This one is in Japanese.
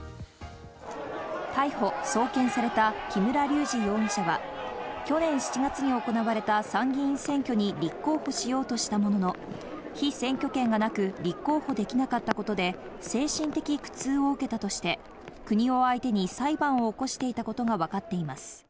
逮捕・送検された木村隆二容疑者は、去年７月に行われた参議院選挙に立候補しようとしたものの、被選挙権はなく、立候補できなかったことで、精神的苦痛を受けたとして国を相手に裁判を起こしていたことがわかっています。